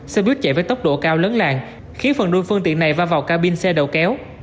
xe buýt chạy với tốc độ cao lớn làng khiến phần đuôi phương tiện này va vào ca bin xe đầu kéo